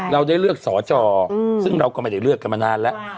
เราได้เลือกสอจอซึ่งเราก็ไม่ได้เลือกกันมานานแล้ว